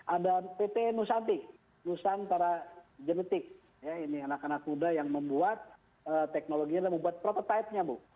ada pt nusanti nusantara genetics ya ini anak anak muda yang membuat teknologi membuat prototype nya bu